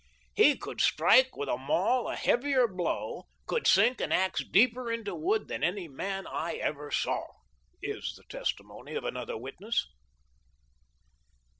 " He could strike with a maul a heavier blow — could sink an axe deeper into wood than any man I ever saw," is the testimony of another witness.